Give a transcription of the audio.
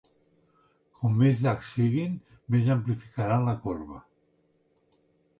Com més llargs siguin, més amplificaran la corba.